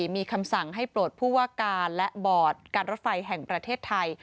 มีคำสั่งให้โปรดผู้ว่าการและบอร์ดการรถไฟแห่งประเทศไทย